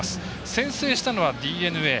先制しているのはＤｅＮＡ。